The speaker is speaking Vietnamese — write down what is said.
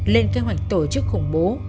lên kế hoạch tổ chức khủng bố